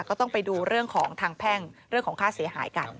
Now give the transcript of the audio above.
ก็ต้องไปดูเรื่องของทางแพ่งเรื่องของค่าเสียหายกัน